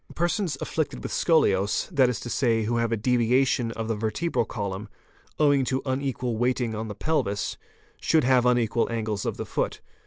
Persons afflicted with scoliose, that is to say, who have a deviation of the vertebral column, owing to unequal weighting on the pelvis, should haye unequal angles of the foot.